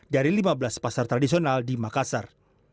dari lima belas pasar tradisional di makassar